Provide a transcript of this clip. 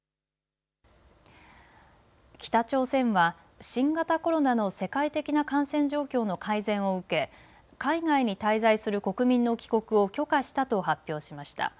北朝鮮は新型コロナの世界的な感染状況の改善を受け海外に滞在する国民の帰国を許可したと発表しました。